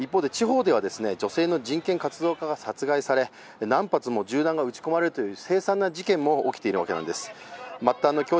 女性の人権活動家が殺害され何発も銃弾が撃ち込まれるという凄惨な事件も起きているわけなんです。